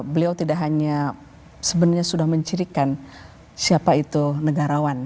beliau tidak hanya sebenarnya sudah mencirikan siapa itu negarawan